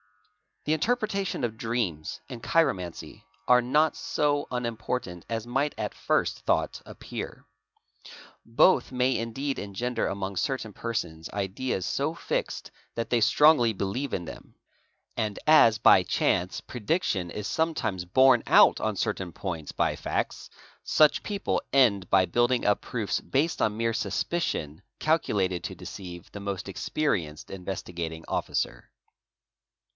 4 The interpretation of dreams" 8 and chiromancy are not so uni portant as might at first thought appear. Both may indeed engen among certain persons ideas so fixed that they strongly believe in a And as by chance prediction is sometimes borne out on certain points DREAMS AND CHIROMANCY 408 facts, such people end by building up proofs based on mere suspicion calculated to deceive the most experienced Investigating Officer.